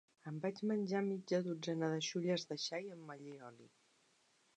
Em vaig menjar mitja dotzena de xulles de xai amb allioli.